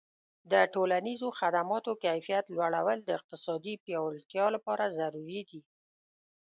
د ټولنیزو خدماتو کیفیت لوړول د اقتصادي پیاوړتیا لپاره ضروري دي.